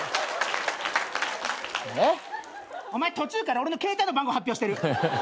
お前途中から俺の携帯の番号発表してる。